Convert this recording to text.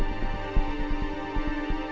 saya merasakan hidup saya